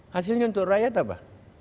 hasilnya untuk rakyat apa